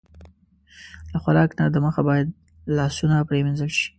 له خوراک نه د مخه باید لاسونه پرېمنځل شي.